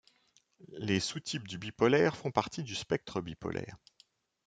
Les sous-types du bipolaire font partie du spectre bipolaire.